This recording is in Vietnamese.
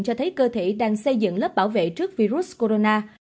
cho thấy cơ thể đang xây dựng lớp bảo vệ trước virus corona